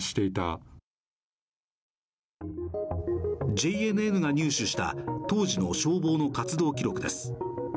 ＪＮＮが入手した当時の消防の活動記録です。